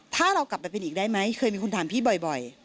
ถ้าเรากลับไปเป็นอีกได้ไหมเคยมีคนถามพี่บ่อย